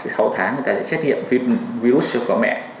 sau tháng người ta sẽ xét hiện virus của mẹ